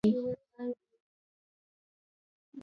دېوال پخ دی.